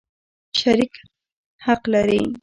شریک حق لري.